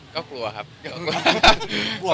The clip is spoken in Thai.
ก็กลัวครับก็กลัว